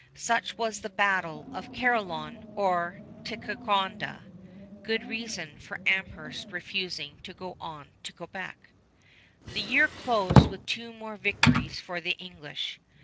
Such was the battle of Carillon, or Ticonderoga, good reason for Amherst refusing to go on to Quebec. The year closed with two more victories for the English.